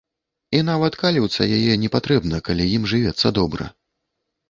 І нават каліўца яе не патрэбна, калі ім жывецца добра.